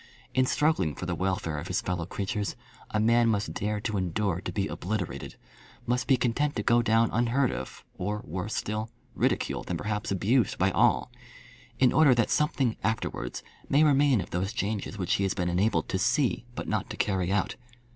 In struggling for the welfare of his fellow creatures, a man must dare to endure to be obliterated, must be content to go down unheard of, or, worse still, ridiculed, and perhaps abused by all, in order that something afterwards may remain of those changes which he has been enabled to see, but not to carry out.